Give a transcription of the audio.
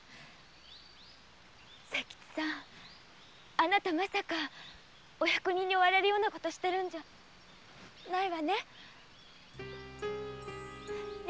あなたまさかお役人に追われるような事してるんじゃないわねね